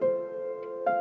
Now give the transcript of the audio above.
terima kasih tuhan